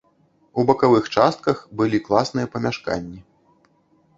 У бакавых частках былі класныя памяшканні.